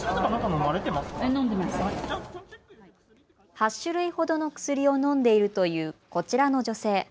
８種類ほどの薬を飲んでいるというこちらの女性。